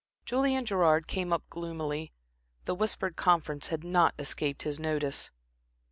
Julian Gerard came up gloomily. The whispered conference had not escaped his notice.